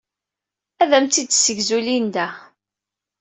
Ad am-tt-id-tessegzu Linda.